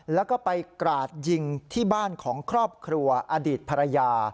แล้วก็ไปกราดยิงที่บ้านของครอบครัวอดีตภรรยา